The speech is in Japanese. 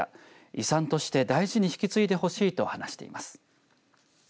遺産として大事に引き継いでほしいと話しています。